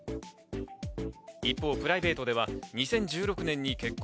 一方、プライベートでは２０１６年に結婚。